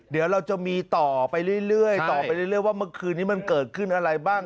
เดี๋ยวเราจะมีต่อไปเรื่อยต่อไปเรื่อยว่าเมื่อคืนนี้มันเกิดขึ้นอะไรบ้าง